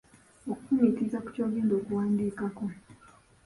Okufumiitiriza ku ky’ogenda okuwandiikako